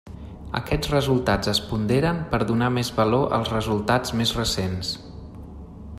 Aquests resultats es ponderen per donar més valor als resultats més recents.